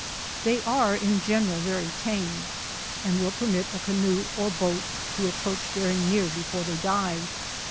They are^in general very tame, and will permit a canoe or boat to approach very near before they dive.